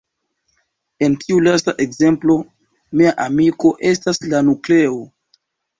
En tiu lasta ekzemplo "mia amiko" estas la nukleo.